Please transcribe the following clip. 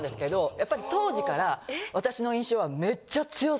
やっぱり当時から私の印象は。